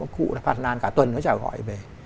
cụ là phạt nàn cả tuần nó chào gọi về